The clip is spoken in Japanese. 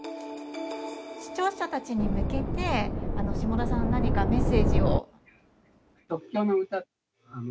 視聴者たちに向けて志茂田さん何かメッセージを。